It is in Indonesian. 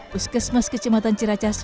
puskesmas kecamatan ciracas